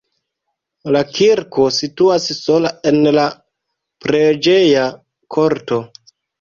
La kirko situas sola en la preĝeja korto.